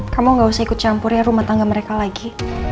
kamu gak usah ikut campur ya rumah tangga mereka lagi